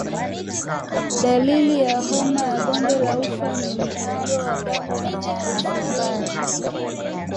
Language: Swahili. Dalili ya homa ya bonde la ufa ni mharo wa damu wenye harufu mbaya